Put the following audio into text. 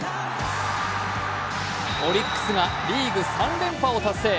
オリックスがリーグ３連覇を達成。